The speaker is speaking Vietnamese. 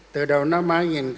từ đầu năm hai nghìn hai mươi